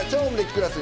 クラス